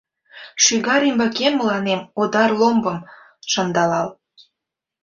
Шӱгар ӱмбакем мыланем Одар ломбым шындалал.